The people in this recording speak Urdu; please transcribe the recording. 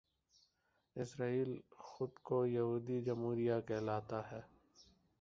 اسرائیل خود کو یہودی جمہوریہ کہلاتا ہے